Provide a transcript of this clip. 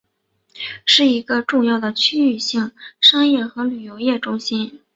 是一个重要的区域性商业和旅游业中心。